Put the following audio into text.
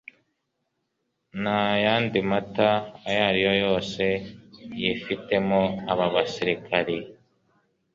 nta yandi mata ayo ari yo yose yifitemo aba basirikari